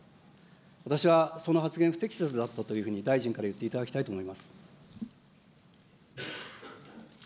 私はその発言、不適切だったというふうに大臣から言っていただきたいと思います。